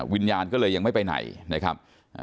วิญญาณก็เลยยังไม่ไปไหนนะครับ